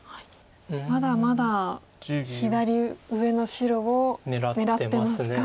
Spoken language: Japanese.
まだまだ左上の白を狙ってますか。